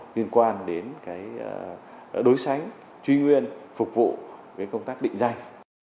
liên quan đến cái đối sánh truy nguyên phục vụ với công tác định danh